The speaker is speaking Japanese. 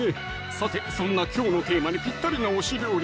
さてそんなきょうのテーマにぴったりな推し料理